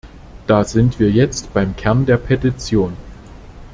Da sind wir jetzt beim Kern der Petition.